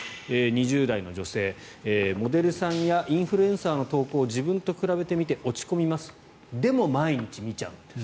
２０代の女性、モデルさんやインフルエンサーの投稿を自分と比べてみて落ち込みますでも毎日見ちゃうんです。